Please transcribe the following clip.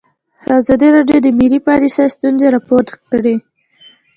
ازادي راډیو د مالي پالیسي ستونزې راپور کړي.